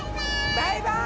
バイバーイ！